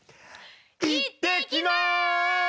行ってきます！